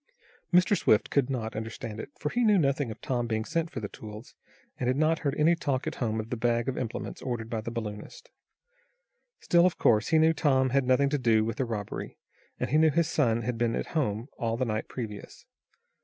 Mr. Swift could not understand it, for he knew nothing of Tom being sent for the tools, and had not heard any talk at home of the bag of implements ordered by the balloonist. Still, of course, he knew Tom had nothing to do with the robbery, and he knew his son had been at home all the night previous.